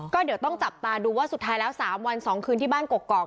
ก็เดี๋ยวต้องจับตาดูว่าสุดท้ายแล้ว๓วัน๒คืนที่บ้านกกอก